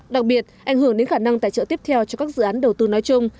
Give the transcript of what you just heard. đặc biệt ảnh hưởng đến khả năng tài trợ tiếp theo cho các dự án đầu tư nói chung